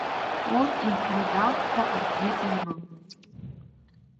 Орденк, медалк ҳәа акгьы имам.